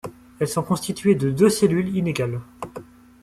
Elles sont constituées de deux cellules inégales.